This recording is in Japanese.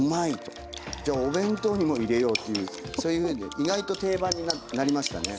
じゃあお弁当にも入れようとそういうふうに意外と定番になりましたね。